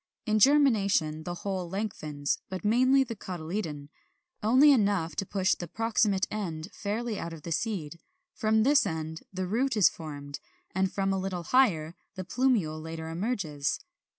In germination the whole lengthens (but mainly the cotyledon) only enough to push the proximate end fairly out of the seed; from this end the root is formed, and from a little higher the plumule later emerges.